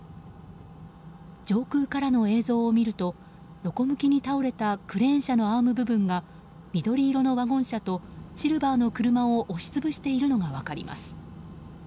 上空からの映像を見ると横向きに倒れたクレーン車のアーム部分が緑色のワゴン車とシルバーの車を押し潰しているのが分かります。